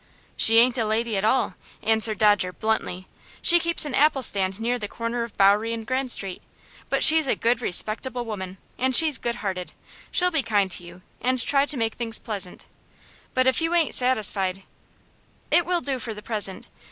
"She ain't a lady at all," answered Dodger, bluntly. "She keeps an apple stand near the corner of Bowery and Grand Street; but she's a good, respectable woman, and she's good hearted. She'll be kind to you, and try to make things pleasant; but if you ain't satisfied " "It will do for the present.